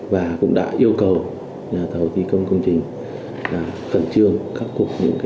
và cũng đã yêu cầu nhà thầu thi công công trình khẩn trương các cuộc những tôn tạo